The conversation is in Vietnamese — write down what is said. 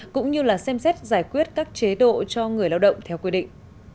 cũng như xem xét giải quyết các chế độ cho người lao động theo quy định